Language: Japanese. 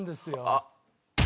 あっ。